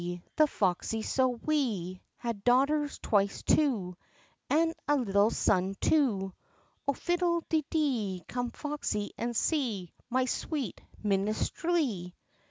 The foxy so wee Had daughters twice two, And a little son too, Oh, fiddle de dee! Come, foxy, and see My sweet minstrelsy!"